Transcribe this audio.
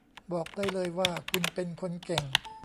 บอกได้เลยว่าคุณเป็นคนเก่ง